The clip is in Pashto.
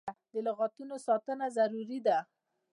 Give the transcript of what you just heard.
د لغتانو ساتنه ضروري ده.